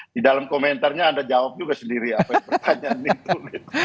di dalam komentarnya anda jawab juga sendiri apa yang pertanyaan itu